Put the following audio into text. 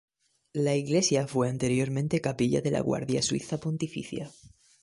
La iglesia fue anteriormente capilla de la Guardia Suiza Pontificia.